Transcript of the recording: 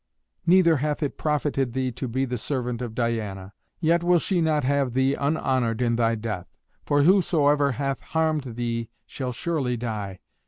Neither hath it profited thee to be the servant of Diana. Yet will she not have thee unhonoured in thy death; for whosoever hath harmed thee shall surely die."